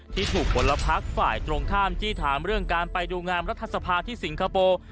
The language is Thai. ที่ถูกผลพักฝ่ายตรงข้ามจี้ถามเรื่องการไปดูงามรัฐสภาที่สิงคโปร์